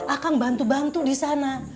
akan bantu bantu disana